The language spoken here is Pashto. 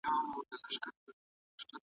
ولي د ګاونډیانو ترمنځ اړیکي نازکي وي؟